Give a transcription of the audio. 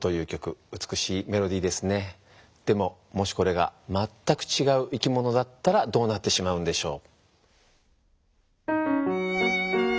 でももしこれがまったくちがう生き物だったらどうなってしまうんでしょう？